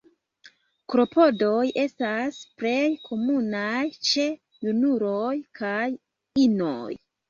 Klopodoj estas plej komunaj ĉe junuloj kaj inoj.